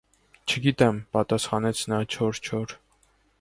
- Չգիտեմ,- պատասխանեց նա չոր-չոր: